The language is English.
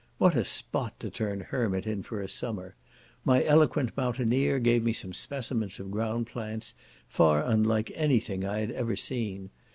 What a spot to turn hermit in for a summer! My eloquent mountaineer gave me some specimens of ground plants, far unlike any thing I had ever seen.